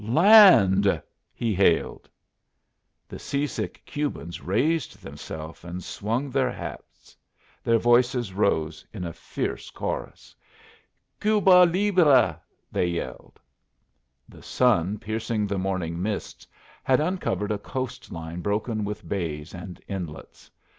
"Land!" he hailed. The sea sick Cubans raised themselves and swung their hats; their voices rose in a fierce chorus. "Cuba libre!" they yelled. The sun piercing the morning mists had uncovered a coast line broken with bays and inlets.